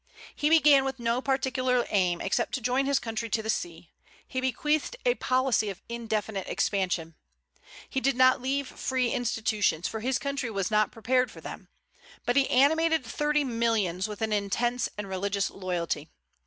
He began with no particular aim except to join his country to the sea; he bequeathed a policy of indefinite expansion. He did not leave free institutions, for his country was not prepared for them; but he animated thirty millions with an intense and religious loyalty.